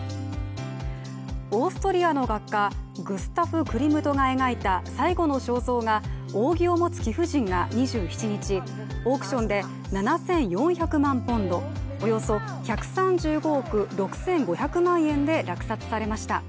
オーストリアの画家グスタフ・クリムトが描いた最後の肖像が「扇を持つ貴婦人」が２７日オークションで７４００万ポンド、およそ１３５億６５００万円で落札されました。